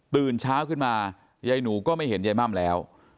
ตื่นเช้าขึ้นมายายหนูก็ไม่เห็นยายม่ำแล้ว